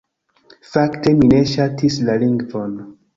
Fakte, mi ne ŝatis la lingvon.